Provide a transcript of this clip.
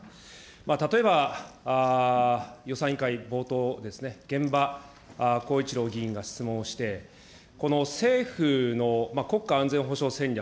例えば、予算委員会冒頭ですね、玄葉光一郎議員が質問をして、この政府の国家安全保障戦略